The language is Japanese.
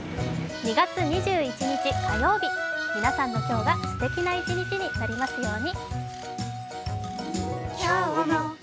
２月２１日火曜日、皆さんの今日がすてきな一日になりますように。